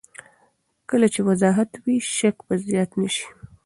کله چې وضاحت وي، شک به زیات نه شي.